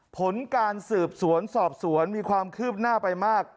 ผลการสืบสวนสอบสวนมีความคืบหน้าไปมาก